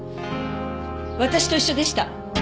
私と一緒でした。